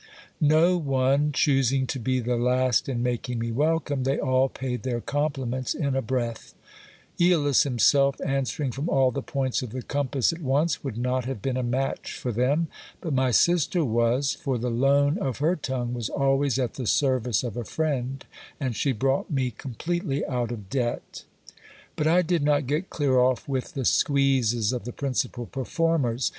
No one choosing to be the last in making me welcome, they all paid their compliments in a breath. YEolus himself, answering from all the points of the compass at once, would not have been a match for them : but my sister was ; for the loan of her tongue was always at the service of a friend, and she brought me com pletely out of debt. But I did not get clear off with the squeezes of the principal performers.